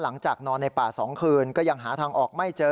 หลังจากนอนในป่าสองคืนก็ยังหาทางออกไม่เจอ